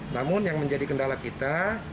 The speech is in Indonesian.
namun yang menjadi kendala kita